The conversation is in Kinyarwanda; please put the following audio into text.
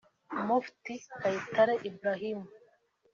Mufti Kayitare Ibrahim